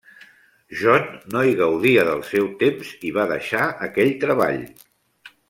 John no hi gaudia del seu temps i va deixar aquell treball.